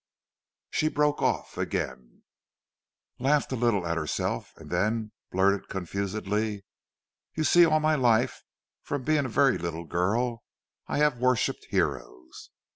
She broke off again, laughed a little at herself and then blurted confusedly: "You see all my life, from being a very little girl, I have worshipped heroes."